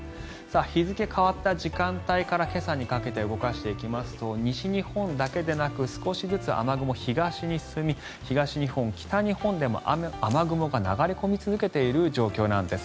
日付変わった時間帯から今朝にかけて動かしていきますと西日本だけでなく少しずつ雨雲が東に進み東日本、北日本でも雨雲が流れ込み続けている状況なんです。